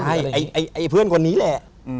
ใช่ไอ้เพื่อนคนนี้แหละ